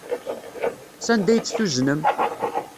Sanda ay tt-tuznem?